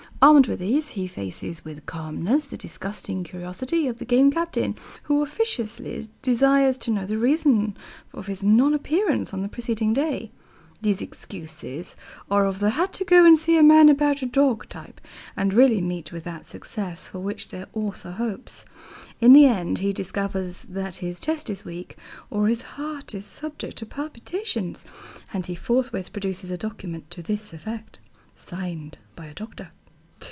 Armed with these, he faces with calmness the disgusting curiosity of the Game Captain, who officiously desires to know the reason of his non appearance on the preceding day. These excuses are of the "had to go and see a man about a dog" type, and rarely meet with that success for which their author hopes. In the end he discovers that his chest is weak, or his heart is subject to palpitations, and he forthwith produces a document to this effect, signed by a doctor.